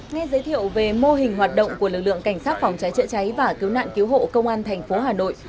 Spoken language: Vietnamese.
nghe giới thiệu về mô hình hoạt động của lực lượng cảnh sát phòng trái chữa cháy và cứu nạn cứu hộ công an tp hà nội